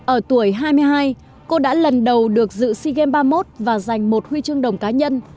ở tuổi hai mươi hai cô đã lần đầu được dự sea games ba mươi một và giành một huy chương đồng cá nhân